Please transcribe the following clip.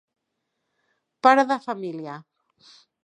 Pare de família.